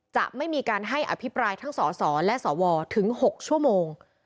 จะไม่มีการให้อภิปรายทั้งสสและสวถึง๖ชั่วโมง